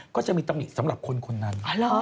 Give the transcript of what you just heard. ก็จะมีตำหนิสำหรับคนคนนั้น